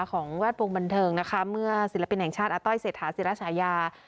แวดวงบันเทิงนะคะเมื่อศิลปินแห่งชาติอาต้อยเศรษฐาศิรชายา